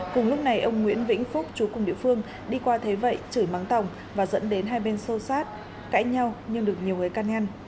cùng lúc này ông nguyễn vĩnh phúc chú cùng địa phương đi qua thế vậy chửi mắng tổng và dẫn đến hai bên sâu sát cãi nhau nhưng được nhiều người can ngăn